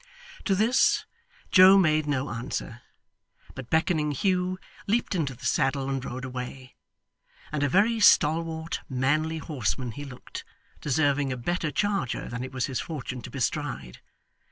To this, Joe made no answer, but beckoning Hugh, leaped into the saddle and rode away; and a very stalwart, manly horseman he looked, deserving a better charger than it was his fortune to bestride.